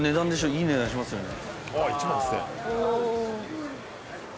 いい値段しますよね。